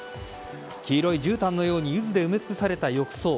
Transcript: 黄色いじゅうたんのようにゆずで埋め尽くされた浴槽。